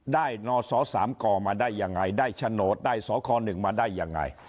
ได้ท่อ๓กอได้ท่อฉนดได้ท่อ๑มาได้ไง